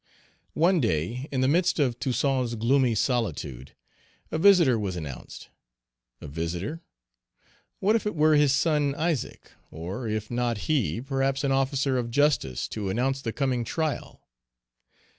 One day, in the midst of Toussaint's gloomy solitude, a visitor was announced. A visitor! what if it were his son Isaac! or if not he, perhaps an officer of justice to announce the coming trial.